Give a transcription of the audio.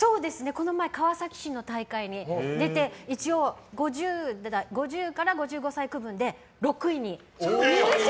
この間、川崎市の大会に出て一応、５０から５５歳区分で６位に。